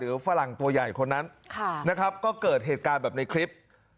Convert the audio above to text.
ฝรั่งตัวใหญ่คนนั้นนะครับก็เกิดเหตุการณ์แบบในคลิป